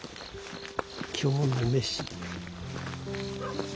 今日の飯。